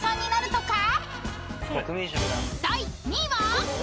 ［第２位は？］